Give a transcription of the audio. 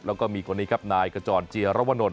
แล้วก็มีคนนี้ครับนายขจรเจียรวนล